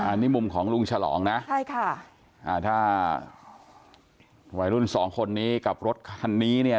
อันนี้มุมของลุงฉลองนะใช่ค่ะอ่าถ้าวัยรุ่นสองคนนี้กับรถคันนี้เนี่ย